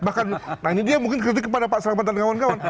bahkan nanya dia mungkin ketik kepada pak selamat dan kawan kawan